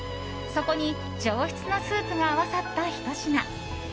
そこに上質なスープが合わさったひと品。